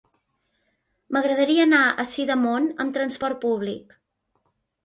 M'agradaria anar a Sidamon amb trasport públic.